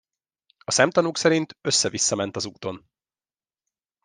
A szemtanúk szerint össze-vissza ment az úton.